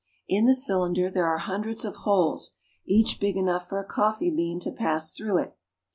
In the cylinder there are hundreds of holes, each big enough for a coffee bean to pass through it.